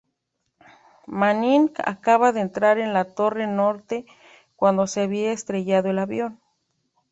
Manning acababa de entrar en la torre norte cuando se había estrellado el avión.